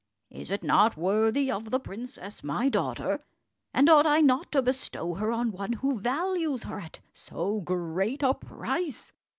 Is it not worthy of the princess my daughter? And ought I not to bestow her on one who values her at so great a price?"